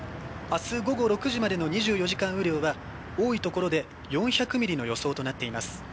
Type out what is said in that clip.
明日午後６時までの２４時間雨量は多い所で４００ｍｍの予想となっています。